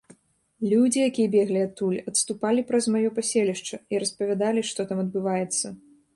Людзі, якія беглі адтуль, адступалі праз маё паселішча і распавядалі, што там адбываецца.